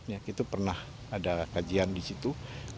ya itu pernah ada kajian di situ